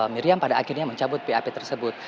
miriam pada akhirnya mencabut bap tersebut